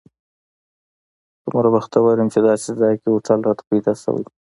څومره بختور یم چې داسې ځای کې هوټل راته پیدا شوی.